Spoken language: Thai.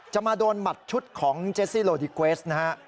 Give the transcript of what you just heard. มาโดนหมัดชุดของเจสซี่โลดิเกวสนะฮะ